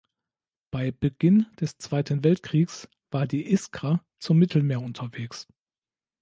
Bei Beginn des Zweiten Weltkriegs war die "Iskra" zum Mittelmeer unterwegs.